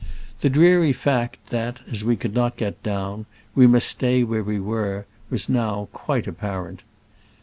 The dreary fact that, as we could not get down, we must stay where we were, was now quite apparent.